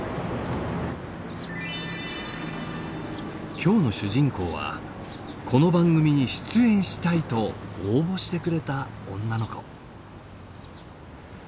今日の主人公はこの番組に出演したいと応募してくれた女の子。